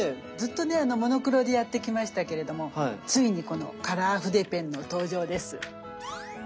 ずっとねモノクロでやってきましたけれどもついにこのカラー筆ペンの登場です。